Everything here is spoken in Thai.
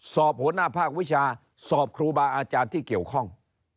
หัวหน้าภาควิชาสอบครูบาอาจารย์ที่เกี่ยวข้อง